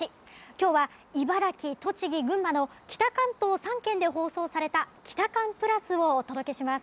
今日は茨城栃木群馬の北関東３県で放送された「キタカン＋」をお届けします。